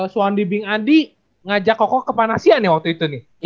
suhandi bing andi ngajak kokoh ke panasian ya waktu itu nih